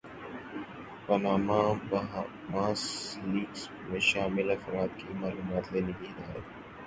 Panama Bahamas leaks میں شامل افراد کی معلومات لینے کی ہدایت